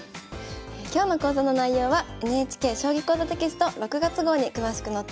今日の講座の内容はＮＨＫ「将棋講座」テキスト６月号に詳しく載っています。